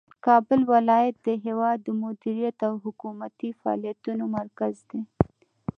کابل ولایت د هیواد د مدیریت او حکومتي فعالیتونو مرکز دی.